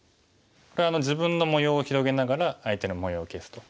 これは自分の模様を広げながら相手の模様を消すと。